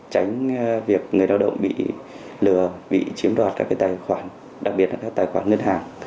tránh việc người lao động bị lừa bị chiếm đoạt các tài khoản đặc biệt là các tài khoản ngân hàng